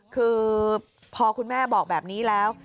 คือพอคุณแม่บอกแบบนี้แล้ว